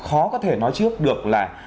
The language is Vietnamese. khó có thể nói trước được là